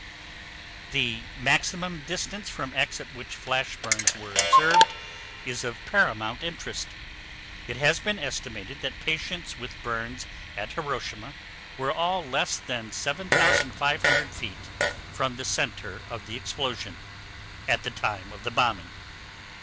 The maximum distance from X at which flash burns were observed is of paramount interest. It has been estimated that patients with burns at Hiroshima were all less than 7,500 feet from the center of the explosion at the time of the bombing.